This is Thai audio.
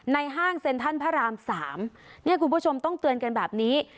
ห้างเซ็นทรัลพระรามสามเนี่ยคุณผู้ชมต้องเตือนกันแบบนี้